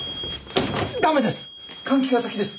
駄目です！